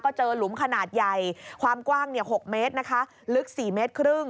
ก็เจอหลุมขนาดใหญ่ความกว้าง๖เมตรนะคะลึก๔เมตรครึ่ง